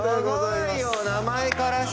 すごいよ名前からして。